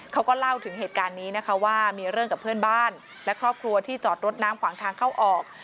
เขาก็เล่าถึงเหตุการณ์นี้นะคะว่ามีเรื่องกับเพื่อนบ้านและครอบครัวที่จอดรถน้ำขวางทางเข้าออก